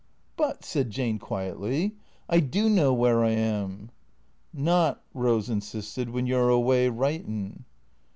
" But," said Jane quietly, " I do know where I am." " Not," Rose insisted, " when you 're away, writin'."